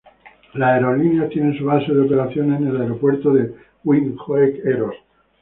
La aerolínea tiene su base de operaciones en el Aeropuerto de Windhoek Eros.